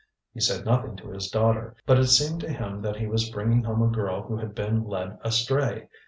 He said nothing to his daughter, but it seemed to him that he was bringing home a girl who had been led astray.